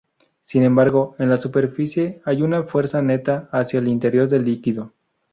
Sin embargo, en la superficie hay una fuerza neta hacia el interior del líquido.